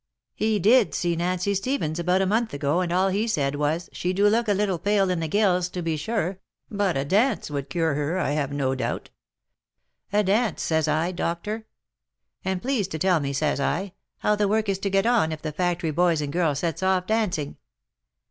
He did see Nancy Stephens, about a month ago, and all he said was, * she do look a little pale in the gills, to be sure, but a dance would cure her, I have no doubt.' A dance! says I, doctor. And please to tell me, says I, how the work is to get on, if the factory boys and girls sets off dancing?"